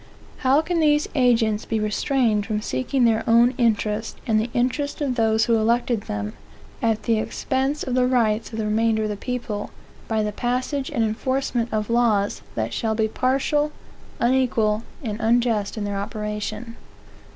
How can these agents be restrained from seeking their own interests, and the interests of those who elected them, at the expense of the rights of the remainder of the people, by the passage and enforcement of laws that shall be partial, unequal, and unjust in their operation?